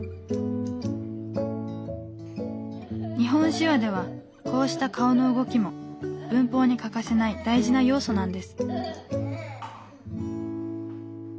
日本手話ではこうした顔の動きも文法に欠かせない大事な要素なんです。